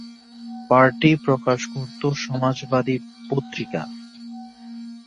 Party প্রকাশ করতো "সমাজবাদী" পত্রিকা।